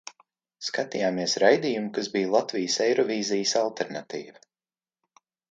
Skatījāmies raidījumu, kas bija Latvijas Eirovīzijas alternatīva.